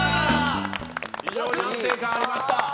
非常に安定感ありました。